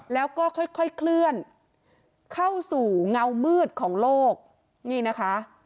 แล้วก็ค่อยเคลื่อนเข้าสู่เงามืดของโลกนี่นะคะ